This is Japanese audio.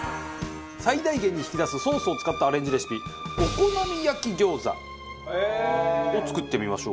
最大限に引き出すソースを使ったアレンジレシピお好み焼き餃子を作ってみましょう。